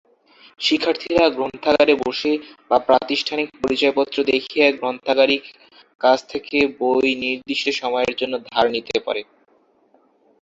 শিক্ষার্থীরা গ্রন্থাগারে বসে বা প্রাতিষ্ঠানিক পরিচয়পত্র দেখিয়ে গ্রন্থাগারিক কাছ থেকে বই নির্দিষ্ট সময়ের জন্য ধার নিতে পারে।